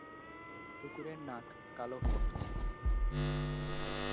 কুকুরের নাক কালো হওয়া উচিত।